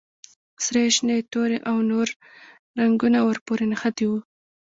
سرې، شنې، تورې او نورې رنګونه ور پورې نښتي وو.